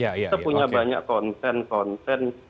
kita punya banyak konten konten